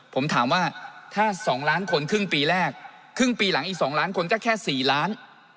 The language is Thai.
ผมถามว่าถ้า๒ล้านคนครึ่งปีแรกครึ่งปีหลังอีก๒ล้านคนก็แค่๔ล้าน